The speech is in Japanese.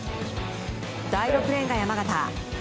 第６レーンが山縣。